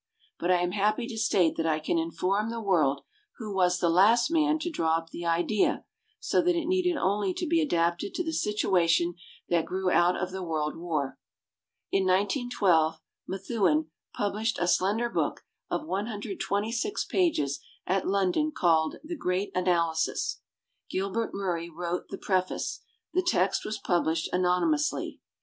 But I am happy to state that I can Inform the world who was the last man to draw up the idea so that it needed only to be adapted to the situation that grew out of the world war. In 1912, Methuen published a slender book of 126 pages at London called The Great Analysis". Gilbert Murray wrote the preface, the text was published anony mously.